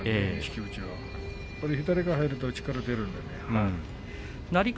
左から入ると力が出るんでね。